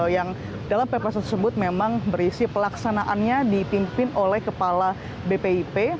yang dalam pps tersebut memang berisi pelaksanaannya dipimpin oleh kepala bpip